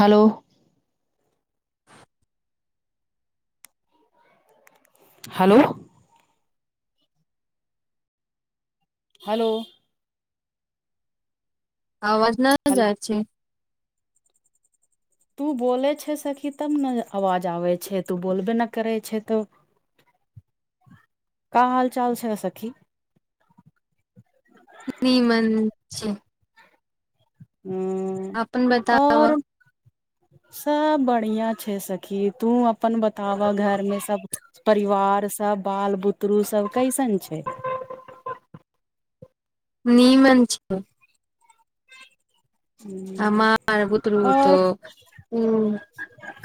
hello hello hello आवाज नहि hello जाइ छै तू बोले छै सखी तब ने आवाज आबै छै तू बोलबे न करे छै तऽ का हाल चाल छै सखी निमन छै उं अपन बताब और सब बढ़िआ छै सखी तू अपन बताव घरमें सब परिवार सब बाल बुतरु सब कैसन छै नीमन छै हमार बुतरू त और उ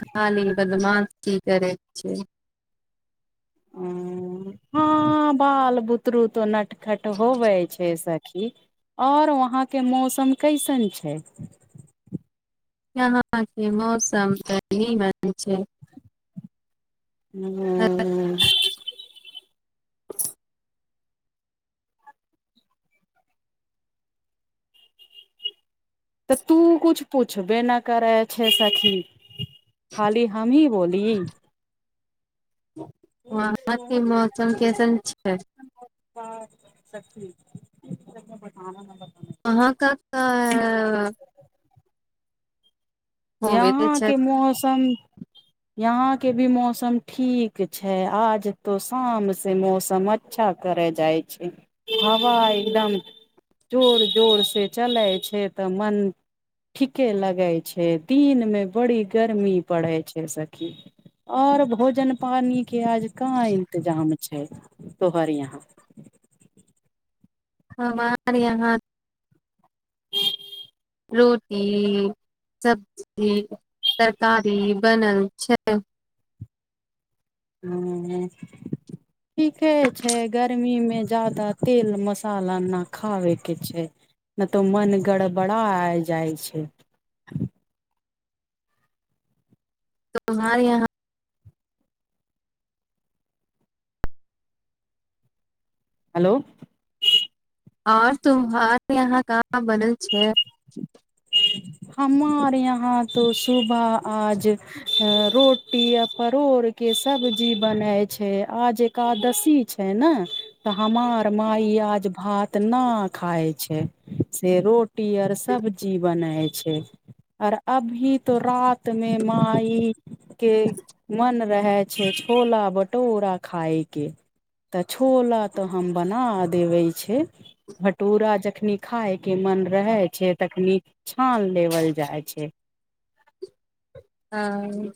खाली बदमाश सी करै छियै ह हँ बाल बुतरू तऽ नटखट होबै छै सखी आओर वहाँके मौसम कइसन छै यहाँके मौसम त नीमन छै हू तऽ तू कुछ पूछबे न करै छैे सखी खाली हम ही बोली वहां के मौसम कइसन छै आनन्द ल अहाँके तऽ त छै यहाँके मौसम यहां के भी मौसम ठीक छै आज तो शाम से मौसम अच्छा करे जाय छै हवा एकदम जोर जोर से चले छै तऽ मन ठीके लगे छै दिन मे बड़ी गर्मी पड़े छै सखी और भोजन पानी के आज का इन्तजाम छै तोहर यहाँ हमर यहाँ रोटी सब्जी तरकारी बनल छै हं ठीके छै गर्मीमे जादा तेल मसाला नहि खाबेके छै न तऽ मन गड़बड़ाइ जाइ छै त हमारे यहाँ हलो आओर तुम्हार यहाँ का बनल छै हमार यहाँ तो सुबह आज रोटी आ परोड़ के सब्जी बनय छै आज एकादशी छै ने तऽ हमार माय आज भात न खाय छै से रोट टि आर सब बनय छै आओर अभी तो रात मे माई के मन रहे छै छोला भटूरा खाय के तऽ छोला तऽ हम बना देबे छै भटूरा जखनी खाय के मन रहय छै तखनि छान देबल जाइ छै हँ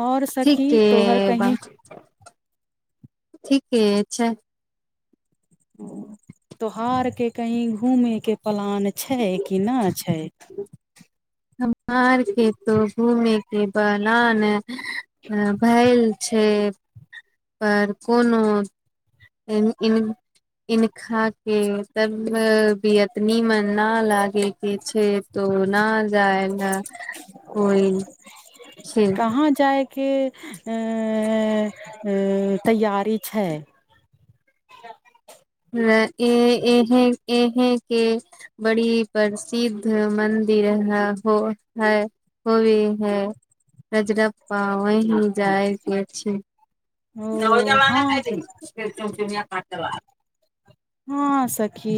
आओर सखीं ठीके तोहर बा कहीं ठीके छै तोहारके कहीँ घूमयके प्लान छै कि न छै हमारके तो घूमयके पलान भेल छै पर कोनो इनखा के तब बियत नीमन ना लागे के छै तो ना जायगा होइ छै कहाँ जा जाय के तैयारी छै इं इहीं इहीं के बड़ी प्रसिद्ध मन्दिर ह हो है होवे है रजरप्पा वही जायके छै ओ तब जमा ने हँ ख जया पांडबा हँ सखी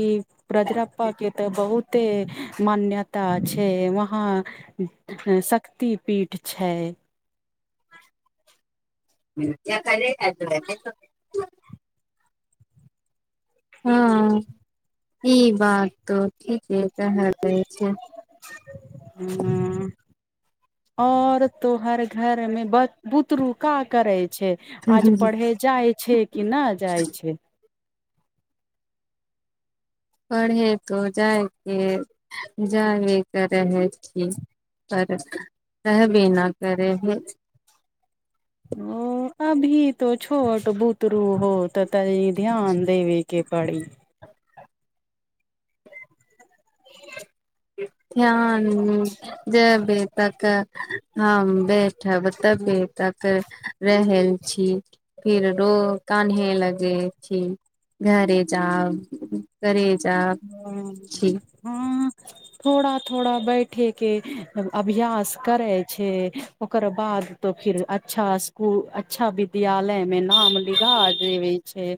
ब्रजराप्पा के तऽ बहुत ते मान्यता छै वहाँ शक्ति पीठ छै [unintelligible] [unintelligible] हँ ई बा त' ठी क तऽ रहय दै छै हँ, और तो हर घरमे बच बुतरुका करै छै आज पढ़े जाइ छै कि न जाइ छै पढ़ैे तऽ जाय कऽ जायबे करै छी पर रहबे नहि करै हइ ओ अभी तो छोट बुतरू हो तऽ तइ ध्यान देबे केपड़ी ध्यान जब तक [unintelligible] हम बैठब तबी तक रहल छी फिर रो कानहे लगे छी घरे जा घरे जा छी हँ थोड़ा थोड़ा बैठेके अभ्यास करै छै ओकर बाद तऽ फिर अच्छा स्कुल अच्छा विद्यालयमे नाम लिखा देबै छै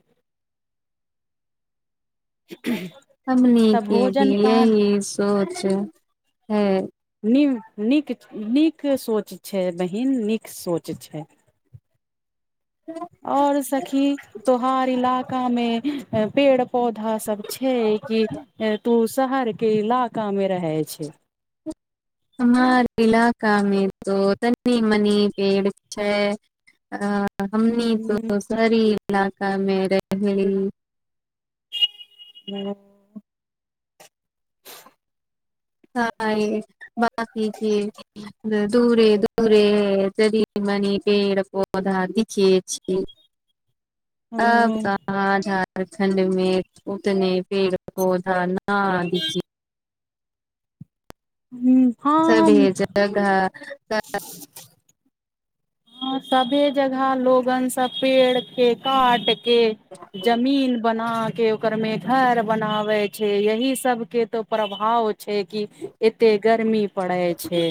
हमनी तऽ के भी भोजन पान यही सोच है नि नीक नीक सोच छै बहिन नीक सोच छै और सखी तोहार इलाकामे पेड़ पौधा सब छै कि तू शहर के इलाकामे रहै छै हमार इलाकामे त तनी मनी पेड़ छै आ हमनी हूँ तो सारी इलाकामे रहबै हँ हं [unintelligible] दूरे दूरे तनीमनी पेड़ पौधा दिखे छै तब हूँ त' मजा प्रखण्ड मे उतने पेड़ पौधा न हिं छै हँ सभे हम जगह तऽ सभे जगह लोगन सब पेड़ के काट के जमीन बना के ओकर मे घर बनावै छै यही सब के तो प्रभाव छै कि एते गर्मी पड़े छै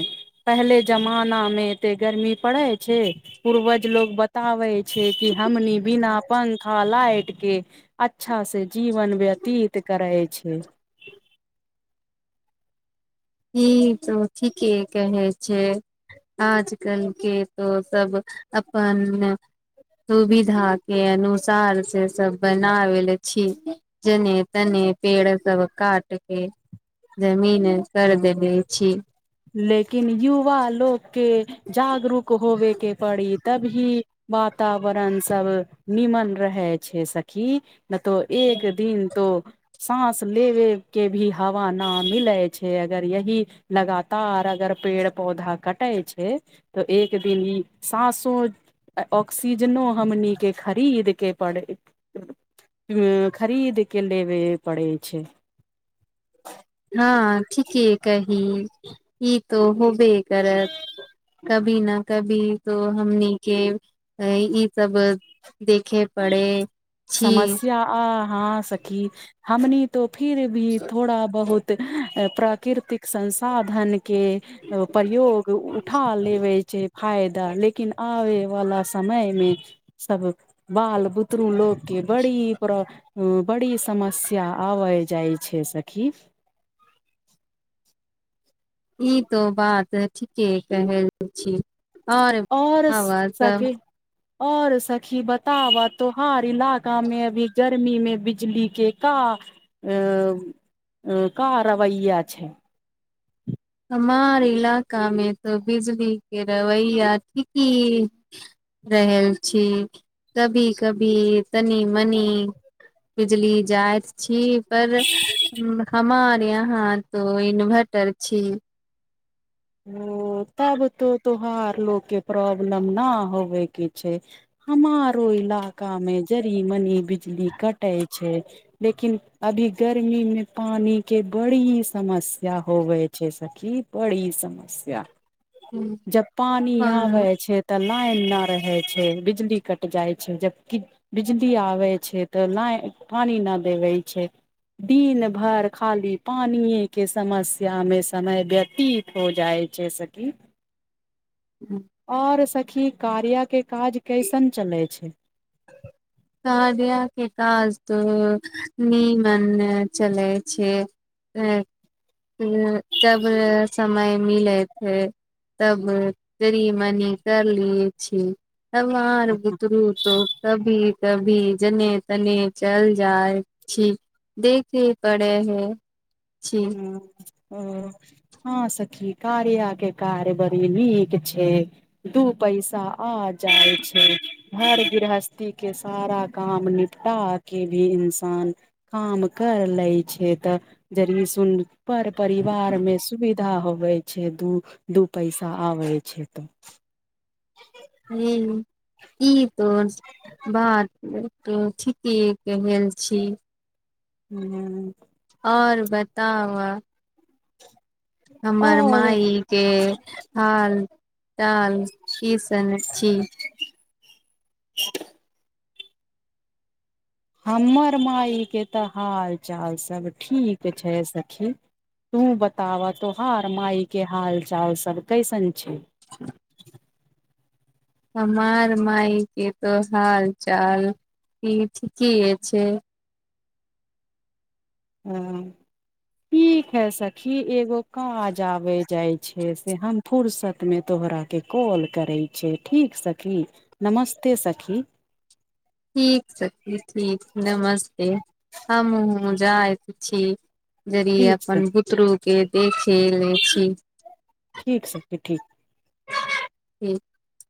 पहले जमानामे एते गर्मी पड़य छै पूर्वज लोग बताबै छै कि हमनी बिना पंखा लाइ ट के अच्छा से जीवन व्यतीत करै छै ई तो ठीके कहे छै आजकल के तो सब अपन सुविधा के अनुसार से सब बनावल छी जेने तेने पेड़ सब काट के जमीन कर देले ह छी लेकिन युवा लोकके जागरूक होबे के पड़ी तभी वातावरण सब नीमन रहै छै सखी नहि तऽ एक दिन तो सांस लेबे के भी हवा ना मिलै छै अगर यही लगातार अगर पेड़ पौधा कटै छै तऽ एक दिन ई सांसो ऑक्सीजनो हमनी खरीदके परै खरीदके लेबे पड़ै छै हँ ठीके कही ई तो होबे करत कभी ने कभी तो हमनीके ई सब देखे पड़े छी समस्या आ हँ सखी हमनी तो फिर भी थोड़ा बहुत प्राकृतिक संसाधन के प्रयोग उठा लेबे छै फायदा लेकिन आबय वाला समय मे सब बाल बुत तरू लोक के बड़ी प्र [unintelligible] बड़ी समस्या आबै जाइ छै सखी ई तो बात ठीके कहै छी आओर और आबत सखी और सखी बताबह तोहार इलाका में अभी गर्मी मे बिजली के का एं का रवैया छै हमार इलाका मे तऽ बिजली के रवैया ठीकी रहल छी कभी कभी तनी मनी बिजली जाइत छी पर हमार यहाँ तो इन्भर्टर छी ओ तब तो तो बर लोग के प्रॉब्लम न होबयके छै हमारो इलाकामे जरी मनी बिजली कटे छै लेकिन अभी गर्मी में पानी के बड़ी समस्या होबै छै सखी बड़ी सम स्या जब पानी आबै पर छै त लाइन न रहै छै बिजली कट जाइ छै जबकि बिजली आबै छै त लाइन पानी नअ देबय छै दिन भरि खाली पानिये के समस्या मे समय व्यतीत हो जाइ छै सखी आओर सख ई कार्या के काज कैसन चलै छै कार्या के काज त नीमन य चलै छै जब समय मिलै छै तब तनी मनी तर लेबे छी तब आर बुतरू कभी कभी जने तने चल जाइ छी देखे पड़ै है छी हँ ओ हां सखी कार्या के कार बरी नीक छै दू पैसा आ जाय छै घर गृहस्थी के सारा काम निपटा के भी इंसान काम कर लै छै त जर तुन पर परिवारमे सुवि धा होबै छै दू दू पैसा आबै छै त [unintelligible] हं ई तो बात ठीके कहय छी हुं आओर बताब' अप हमर और माइ के हाल चाल केसन छी हमर माय के तऽ हाल चाल सब ठीक छै सखी तू बताबह तोहार मााय के हाल चाल सब कैसन छै हमार माइ के तऽ हाल चाल ठीके छै हँ ठीक हइ सखी एगो काज आबय जाइ छै से हम फुुरसतमे तोहराके कॉल करैत छिय ठीक सखी नमस्ते सखी ठीक हमहुं जायत छी जरी ठीक छै अपन बुतरुक के देख एलै छी ठीक सखी ठीक ह [unintelligible]